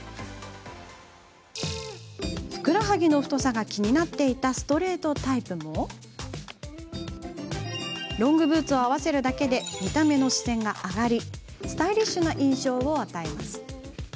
ふくらはぎの太さが気になっていたストレートタイプもロングブーツを合わせるだけで見た目の視線が上がりスタイリッシュな印象を与えます。